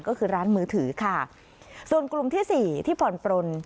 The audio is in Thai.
ก็คือร้านมือถือค่ะส่วนกลุ่มที่สี่ที่ผ่อนปลน